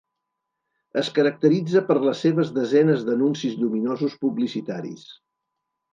Es caracteritza per les seves desenes d'anuncis lluminosos publicitaris.